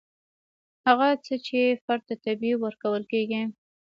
هغه څه چې فرد ته طبیعي ورکول کیږي.